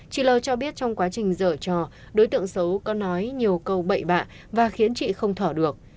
chị l cho biết trong quá trình dở trò đối tượng xấu có nói nhiều câu bậy bạ và khiến chị không thỏa được